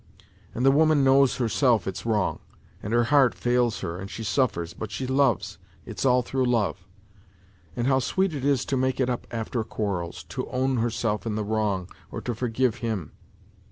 And the woman knows herself it's wrong, and her heart fails her and she suffers, but she loves it's all through love. And how sweet it is to make it up after quarrels, to own herself in the wrong or to forgive him